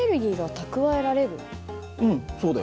うんそうだよ。